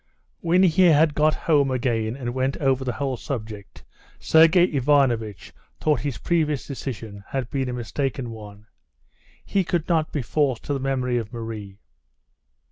When he had got home again and went over the whole subject, Sergey Ivanovitch thought his previous decision had been a mistaken one. He could not be false to the memory of Marie.